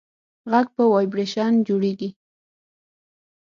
غږ په ویبرېشن جوړېږي.